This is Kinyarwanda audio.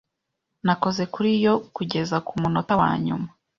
Nakoze kuri yo kugeza kumunota wanyuma.